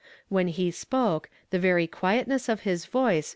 When he spoke, the very quietness of his voice m.